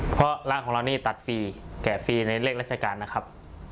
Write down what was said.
เพราะร่างของเรานี่ตัดฟรีแกะฟรีในเลขราชการนะครับ